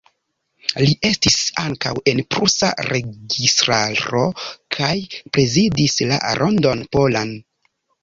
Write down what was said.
Li estis ankaŭ en prusa registaro kaj prezidis la Rondon Polan.